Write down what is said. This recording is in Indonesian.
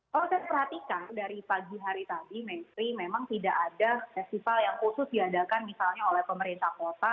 kalau saya perhatikan dari pagi hari tadi mestri memang tidak ada festival yang khusus diadakan misalnya oleh pemerintah kota